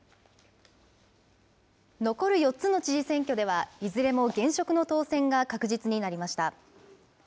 残る４つの知事選挙ではいずれも現職の当選が確実になりました。